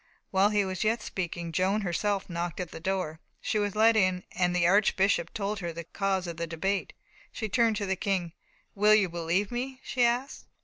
While he was yet speaking, Joan herself knocked at the door. She was let in, and the Archbishop told her the cause of the debate. She turned to the King. "Will you believe me?" she asked.